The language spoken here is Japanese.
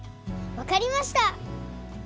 わかりました！